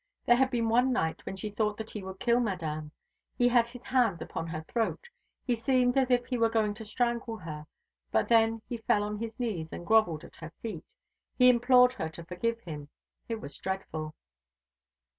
There had been one night when she thought that he would kill Madame. He had his hands upon her throat; he seemed as if he were going to strangle her. And then he fell on his knees, and grovelled at her feet. He implored her to forgive him. It was dreadful.